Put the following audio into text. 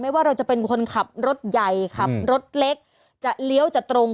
ว่าเราจะเป็นคนขับรถใหญ่ขับรถเล็กจะเลี้ยวจะตรง